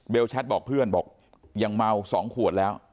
แชทบอกเพื่อนบอกยังเมา๒ขวดแล้ว